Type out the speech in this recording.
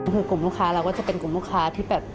คือกลุ่มลูกค้าเราก็จะเป็นกลุ่มลูกค้าที่แบบ